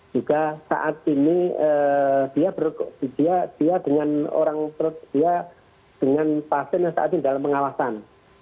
juga saat ini dia dengan orang perut dia dengan pasien yang saat ini dalam pengawasan